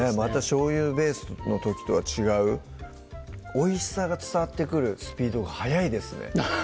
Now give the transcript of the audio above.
しょうゆベースの時とは違うおいしさが伝わってくるスピードが速いですね